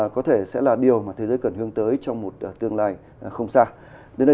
có thể sẽ là điều mà thế giới cần hướng tới trong một tương lai không xa